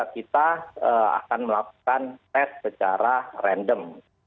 kita akan melakukan tes secara random